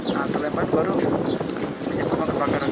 saat terlempar baru menyebabkan kebakaran